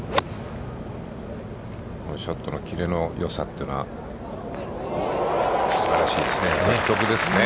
ショットの切れのよさというのはすばらしいですね。